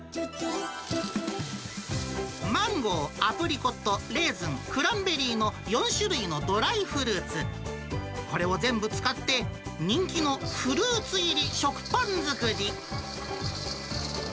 マンゴー、アプリコット、レーズン、クランベリーの４種類のドライフルーツ、これを全部使って、人気のフルーツ入り食パン作り。